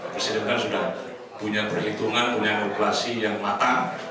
presiden kan sudah punya perhitungan punya regulasi yang matang